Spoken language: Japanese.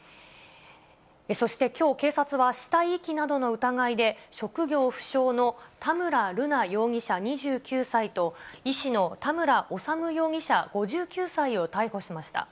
そしてきょう、警察は死体遺棄などの疑いで、職業不詳の田村瑠奈容疑者２９歳と、医師の田村修容疑者５９歳を逮捕しました。